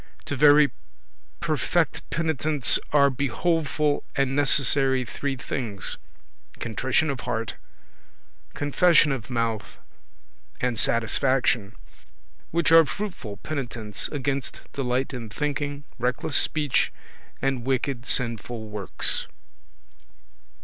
To very perfect penitence are behoveful and necessary three things: contrition of heart, confession of mouth, and satisfaction; which are fruitful penitence against delight in thinking, reckless speech, and wicked sinful works.